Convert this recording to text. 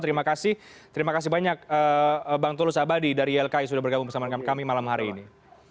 terima kasih banyak bang tulus abadi dari ilki sudah bergabung bersama kami malam hari ini